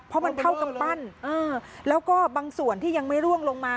เพราะมันเท่ากำปั้นแล้วก็บางส่วนที่ยังไม่ร่วงลงมา